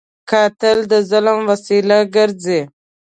قاتل د ظلم وسیله ګرځي